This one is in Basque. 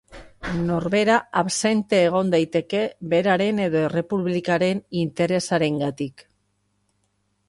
Norbera absente egon daiteke beraren edo errepublikaren interesarengatik.